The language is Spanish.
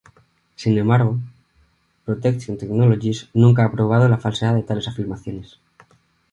Sin embargo, Protection Technologies nunca ha probado la falsedad de tales afirmaciones.